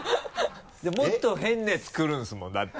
もっと変なやつ来るんですもんだって。